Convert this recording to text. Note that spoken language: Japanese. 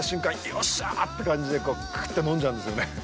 よっしゃーって感じでクーっと飲んじゃうんですよね。